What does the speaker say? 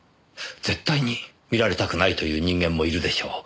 絶対に見られたくないという人間もいるでしょう。